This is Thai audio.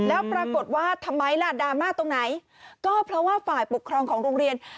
แล้วปรากฏว่าทำไมล่ะดราม่าตรงไหนก็เพราะว่าฝ่ายปกครองของโรงเรียน